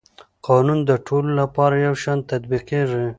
قانون د ټولو لپاره یو شان تطبیقېږي.